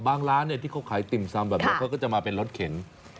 บางร้านที่เขาขายติมซัมเขาก็จะมาเป็นรถเข็น